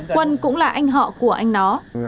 quân cũng là anh họ của anh nó